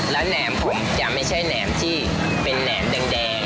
แล้วแหนมผมจะไม่ใช่แหนมที่เป็นแหนมแดง